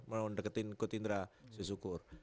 mau deketin ke tindra syukur